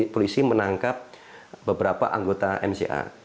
polisi menangkap beberapa anggota mca